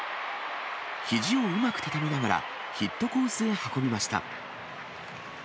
ひじをうまく畳みながら、ヒットコースへ運びました。